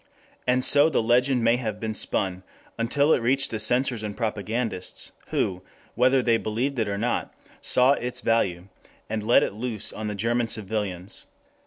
And so the legend may have been spun until it reached the censors and propagandists, who, whether they believed it or not, saw its value, and let it loose on the German civilians.